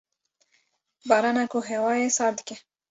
barana ku hewayê sar dike.